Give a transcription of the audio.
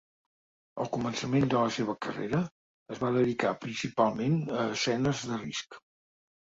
Al començament de la seva carrera, es va dedicar principalment a escenes de risc.